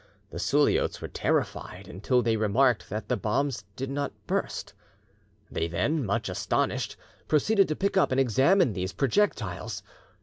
The Suliots were terrified, until they remarked that the bombs did not burst. They then, much astonished, proceeded to pick up and examine these projectiles.